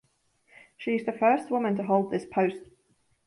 She is the first woman to hold this post.